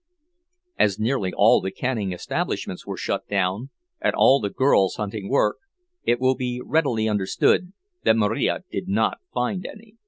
As nearly all the canning establishments were shut down, and all the girls hunting work, it will be readily understood that Marija did not find any.